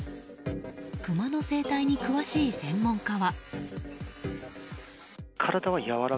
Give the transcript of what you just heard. クマの生態に詳しい専門家は。